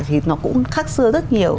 thì nó cũng khác xưa rất nhiều